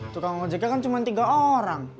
tukang ojeknya kan cuma tiga orang